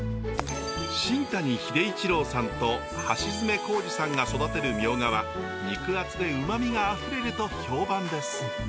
新谷英一郎さんと橋詰幸次さんが育てるミョウガは肉厚でうまみがあふれると評判です。